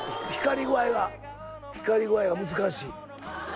光り具合が難しい。